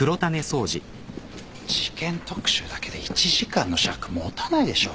事件特集だけで１時間の尺持たないでしょ。